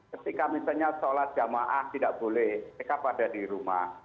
ketika misalnya sholat jamaah tidak boleh mereka pada di rumah